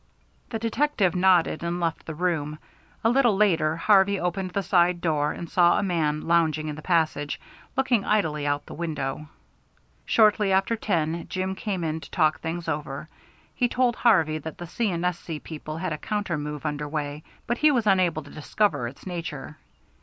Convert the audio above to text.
The detective nodded and left the room. A little later Harvey opened the side door, and saw a man lounging in the passage, looking idly out the window. Shortly after ten Jim came in to talk things over. He told Harvey that the C. & S.C. people had a counter move under way, but he was unable to discover its nature.